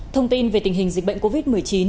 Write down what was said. thông tin về tình hình dịch bệnh covid một mươi chín